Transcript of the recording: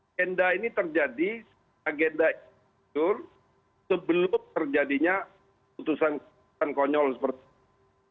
agenda ini terjadi agenda itu terjadi sebelum terjadinya putusan konyol seperti ini